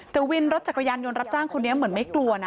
แต่วินรถจักรยานยนต์รับจ้างคนนี้เหมือนไม่กลัวนะ